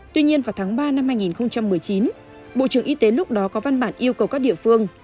tuy nhiên vào tháng ba năm hai nghìn một mươi chín bộ trưởng y tế lúc đó có văn bản yêu cầu các địa phương